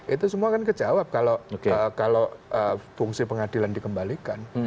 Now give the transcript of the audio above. itu semua kan kejawab kalau fungsi pengadilan dikembalikan